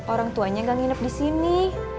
orang tuanya gak nginep disini